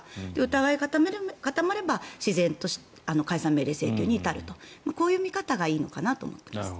疑いが固まれば自然と解散命令請求に至るとこういう見方がいいのかなと思います。